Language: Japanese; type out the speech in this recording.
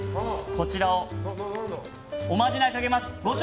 こちらにおまじないをかけます。